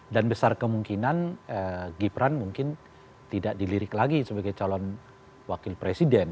dan besar kemungkinan gibran mungkin tidak dilirik lagi sebagai calon wakil presiden